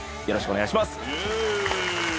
よろしくお願いします。